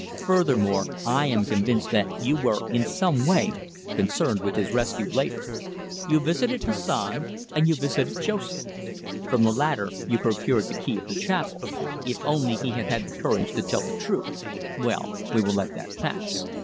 Furthermore, I am convinced that you were in some way concerned with his rescue later. You visited Hassan and you visited Joseph. From the latter you procured the key of the chapel. If only he had had the courage to tell the truth well, we will let that pass.